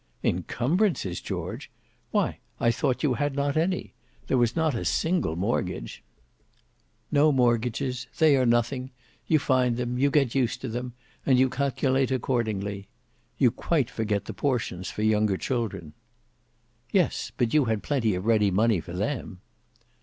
"Incumbrances, George! Why, I thought you had not any. There was not a single mortgage." "No mortgages; they are nothing; you find them, you get used to them, and you calculate accordingly. You quite forget the portions for younger children." "Yes; but you had plenty of ready money for them."